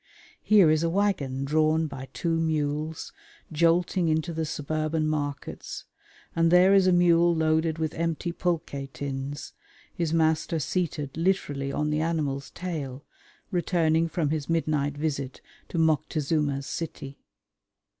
Here is a waggon drawn by two mules jolting into the suburban markets, and there is a mule loaded with empty pulque tins, his master seated literally on the animal's tail, returning from his midnight visit to Moctezuma's city.